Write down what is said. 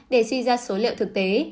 để suy ra số liệu thực tế